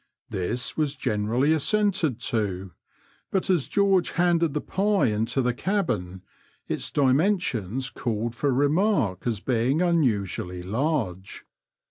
This was generally assented to, but as George handed the pie into the cabin its dimensions called for remark as being unusually large.